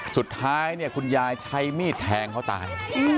สุดท้ายเนี่ยคุณยายใช้มีดแทงเขาตาย